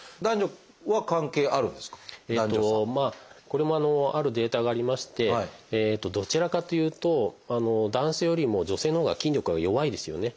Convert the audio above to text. これもあるデータがありましてどちらかというと男性よりも女性のほうが筋力が弱いですよね。